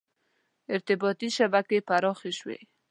• ارتباطي شبکې پراخې شوې.